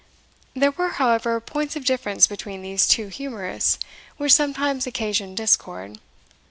There were, however, points of difference between these two humourists, which sometimes occasioned discord.